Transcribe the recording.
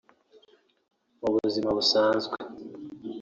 Mu buzima busanzwe